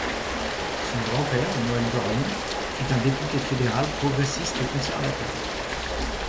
Son grand-père, Noël Dorion fut un député fédéral progressiste-conservateur.